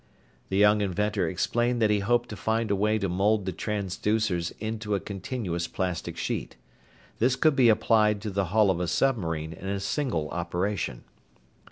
The young inventor explained that he hoped to find a way to mold the transducers into a continuous plastic sheet. This could be applied to the hull of a submarine in a single operation.